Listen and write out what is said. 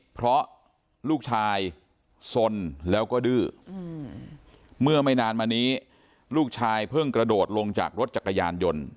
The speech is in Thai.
เพราะลูกชายสนแล้วก็ดื้อเมื่อไม่นานมานี้ลูกชายเพิ่งกระโดดลงจากรถจักรยานยนต์